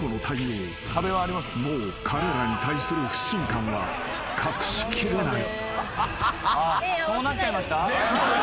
［もう彼らに対する不信感は隠しきれない］